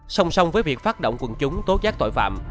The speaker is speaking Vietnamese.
song song với việc phát động quần chúng tố giác tội phạm